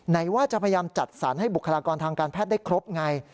ไหนว่าจะพยายามจัดสรรให้บุคลากรทางการแพทย์ได้ครบไง